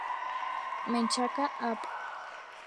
Menchaca; Av.